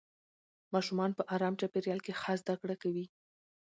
ماشومان په ارام چاپېریال کې ښه زده کړه کوي